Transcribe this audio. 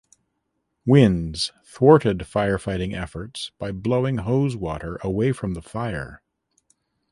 Winds thwarted firefighting efforts by blowing hose water away from the fire.